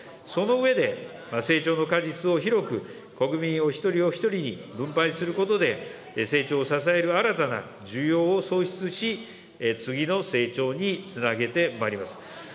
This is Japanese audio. その上で、成長の果実を広く、国民お一人お一人に分配することで、成長を支える新たな需要を創出し、次の成長につなげてまいります。